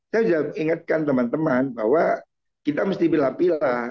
saya sudah ingatkan teman teman bahwa kita mesti pilah pilah